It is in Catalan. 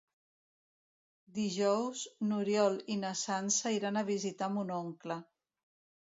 Dijous n'Oriol i na Sança iran a visitar mon oncle.